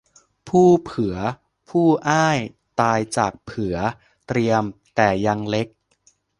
พี่เผือผู้อ้ายตายจากเผือเตรียมแต่ยังเล็ก